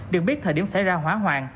được biết thời điểm xảy ra hỏa hoạn